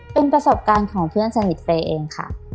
เป็นประสบการณ์ของเพื่อนสนิทเฟย์เองค่ะ